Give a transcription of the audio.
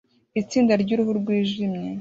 Itsinda ryuruhu rwijimye